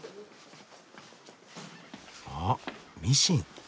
あミシン。